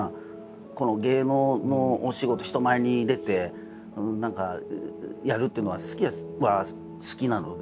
この芸能のお仕事人前に出て何かやるっていうのは好きは好きなので。